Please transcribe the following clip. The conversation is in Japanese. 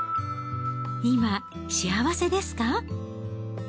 今、幸せですか？